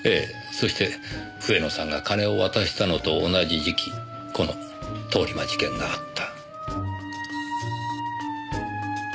そして笛野さんが金を渡したのと同じ時期この通り魔事件があった。